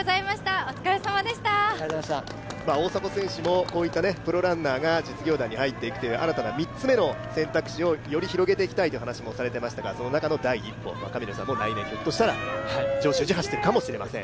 大迫選手もこういったプロランナーが実業団に入っていくという新たな３つ目の選択肢をより広げていきたいという話をしていましたがその中の第一歩、神野さんも来年としたら上州路走っているかもしれません。